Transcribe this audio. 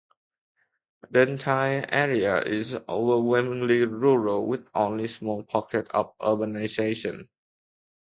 The entire area is overwhelmingly rural with only small pockets of urbanisation.